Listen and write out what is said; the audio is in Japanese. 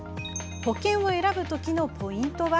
保険を選ぶときのポイントは？